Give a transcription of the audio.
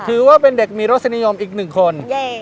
ถือว่าเป็นเด็กมีรสนิยมอีกหนึ่งคน